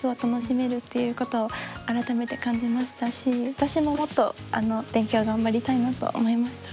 私ももっと勉強頑張りたいなと思いました。